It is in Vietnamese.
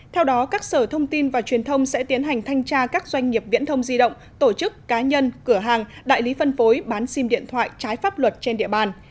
theo đó các sở thông tin và truyền thông sẽ tiến hành thanh tra các doanh nghiệp viễn thông di động tổ chức cá nhân cửa hàng đại lý phân phối bán sim điện thoại trái pháp luật trên địa bàn